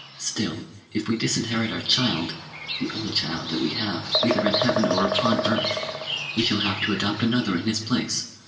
Still, if we disinherit our child the only child that we have, either in heaven or upon earth we shall have to adopt another in his place.